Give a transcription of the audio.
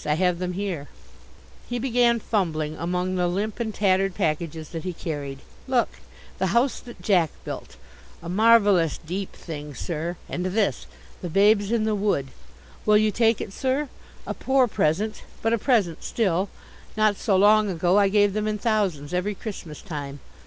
I have them here " He began fumbling among the limp and tattered packages that he carried. "Look! The House that Jack Built a marvellous, deep thing, sir and this, The Babes in the Wood. Will you take it, sir? A poor present, but a present still not so long ago I gave them in thousands every Christmas time.